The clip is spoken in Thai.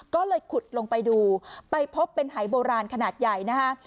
ก็เลยขุดลงไปดูไปพบเป็นหายโบราณขนาดใหญ่นะฮะ